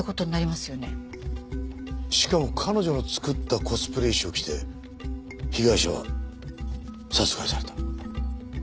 しかも彼女の作ったコスプレ衣装を着て被害者は殺害された。